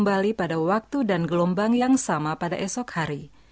bila pada wajah kasihnya berselamat ku diri